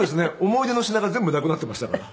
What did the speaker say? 思い出の品が全部なくなってましたから。